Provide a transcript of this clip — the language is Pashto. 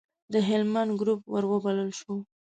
د هلمند ګروپ وروبلل شو.